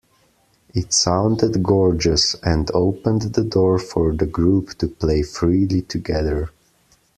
It sounded gorgeous, and opened the door for the group to play freely together.